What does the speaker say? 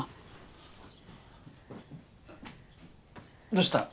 どうした？